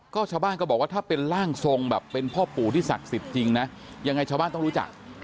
ก็ชาวบ้านก็บอกว่าถ้าเป็นร่างทรงแบบเป็นพ่อปู่ที่ศักดิ์สิทธิ์จริงนะยังไงชาวบ้านต้องรู้จัก